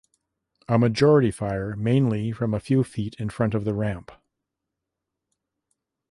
A majority fire mainly from a few feet in front of the ramp.